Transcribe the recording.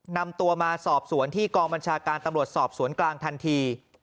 นำตัวมาสอบสวนที่กองบัญชาการตำรวจสอบสวนกลางทันที